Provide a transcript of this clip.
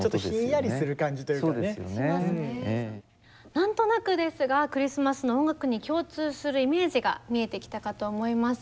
何となくですがクリスマスの音楽に共通するイメージが見えてきたかと思います。